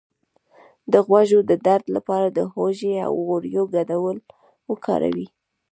د غوږ د درد لپاره د هوږې او غوړیو ګډول وکاروئ